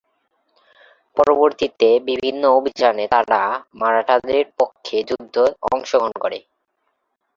পরবর্তীতে বিভিন্ন অভিযানে তারা মারাঠাদের পক্ষে যুদ্ধে অংশগ্রহণ করে।